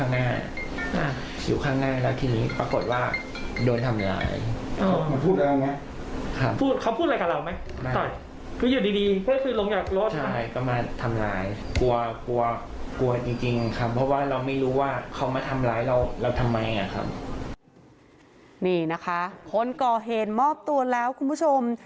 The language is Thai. นี่นะคะคนก่อเหตุมอบตัวแล้วคุณผู้ชม